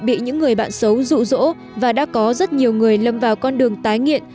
bị những người bạn xấu rụ rỗ và đã có rất nhiều người lâm vào con đường tái nghiện